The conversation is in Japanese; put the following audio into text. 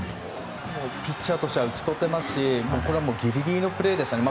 ピッチャーとしては打ち取っていますしギリギリのプレーでしたね。